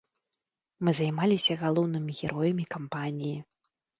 Мы займаліся галоўнымі героямі кампаніі.